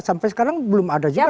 sampai sekarang belum ada juga